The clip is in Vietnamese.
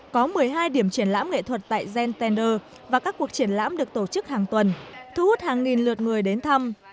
có một mươi hai điểm triển lãm nghệ thuật tại jender và các cuộc triển lãm được tổ chức hàng tuần thu hút hàng nghìn lượt người đến thăm